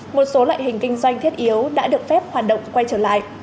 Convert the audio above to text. một số loại hình kinh doanh thiết yếu đã được phép hoạt động quay trở lại